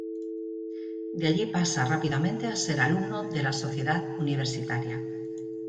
De allí pasa rápidamente a ser alumno de la Sociedad Universitaria.